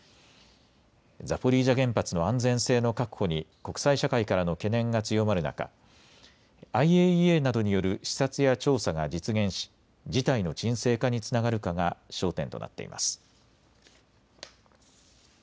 ザポリージャ原発の安全性の確保に国際社会からの懸念が強まる中、ＩＡＥＡなどによる視察や調査が実現し事態の沈静化につながるかが焦点となっています。